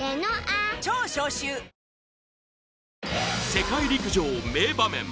世界陸上名場面。